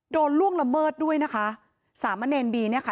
ล่วงละเมิดด้วยนะคะสามะเนรบีเนี่ยค่ะ